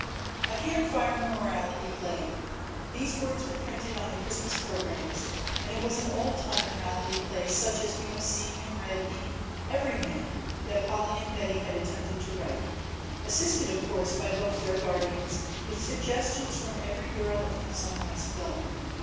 A Camp Fire Morality Play: These words were printed on the Christmas programs and it was an old time morality play such as we have seen and read in "Everyman" that Polly and Betty had attempted to write, assisted of course by both their guardians and with suggestions from every girl in the Sunrise club.